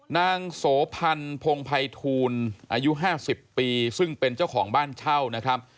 นางโสพันธ์พงภัยทูลอายุ๕๐ปีซึ่งเป็นเจ้าของบ้านเช่านะครับ